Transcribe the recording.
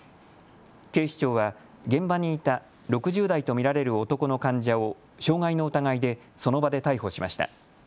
警視庁は現場にいた６０代と見られる男の患者を傷害の疑いでその場で逮捕しました。